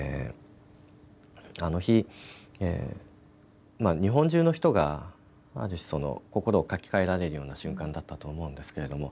あの日、日本中の人が、ある種心を書き換えられるような瞬間だったと思うんですけれども。